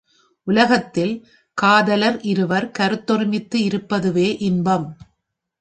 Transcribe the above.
உலகத்தில் காதலர் இருவர் கருத்தொருமித்து இருப்பதுவே இன்பம்.